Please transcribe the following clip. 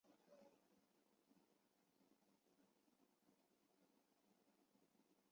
现为乐金集团旗下的公司之一。